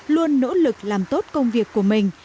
luôn nỗ lực làm tốt công việc của mình